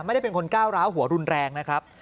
ไม่ได้เป็นคนก้าวร้าวหัวรุนแรงนะครับ